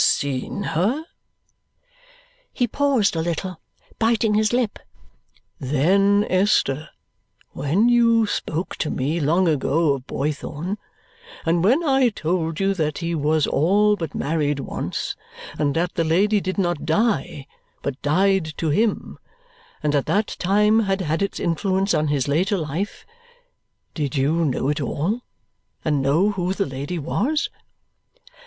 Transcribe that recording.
"Seen her?" He paused a little, biting his lip. "Then, Esther, when you spoke to me long ago of Boythorn, and when I told you that he was all but married once, and that the lady did not die, but died to him, and that that time had had its influence on his later life did you know it all, and know who the lady was?"